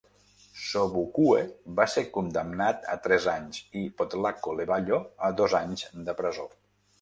Sobukwe va ser condemnat a tres anys i Potlako Leballo a dos anys de presó.